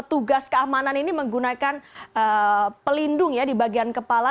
tugas keamanan ini menggunakan pelindung ya di bagian kepala